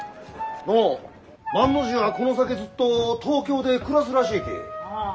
のう万の字はこの先ずっと東京で暮らすらしいき。ああ。